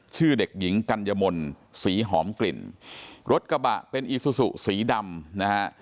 ชื่อเด็กหญิงกัญญมลศรีหอมกลิ่นรถกระบะเป็นอีซูซูสีดำนะฮะ